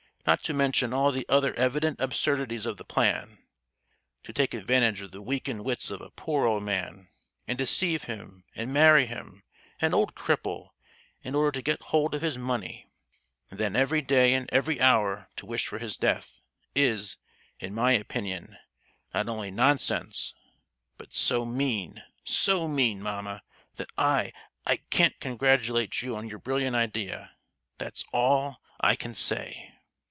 Not to mention all the other evident absurdities of the plan, to take advantage of the weakened wits of a poor old man, and deceive him and marry him—an old cripple, in order to get hold of his money,—and then every day and every hour to wish for his death, is, in my opinion, not only nonsense, but so mean, so mean, mamma, that I—I can't congratulate you on your brilliant idea; that's all I can say!"